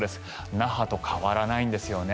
那覇と変わらないんですよね。